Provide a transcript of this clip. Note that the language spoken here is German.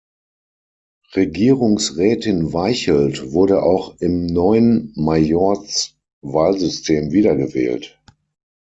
Regierungsrätin Weichelt wurde auch im neuen Majorz-Wahlsystem wieder gewählt.